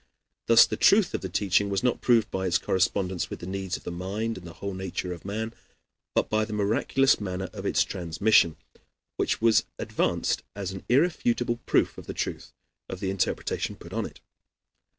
Thus the truth of the teaching was not proved by its correspondence with the needs of the mind and the whole nature of man, but by the miraculous manner of its transmission, which was advanced as an irrefutable proof of the truth of the interpretation put on it.